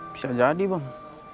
bisa jadi bang